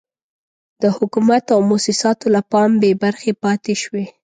د حکومت او موسساتو له پام بې برخې پاتې شوي.